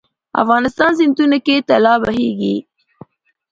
افغانستان سیندونو کې طلا بهیږي 😱